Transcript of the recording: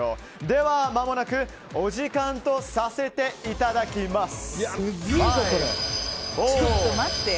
では、まもなくお時間とさせていただきます。